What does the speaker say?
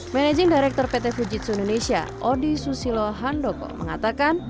managing director pt fujitsu indonesia odi susilo handoko mengatakan